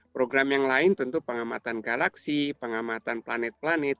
program yang lain tentu pengamatan galaksi pengamatan planet planet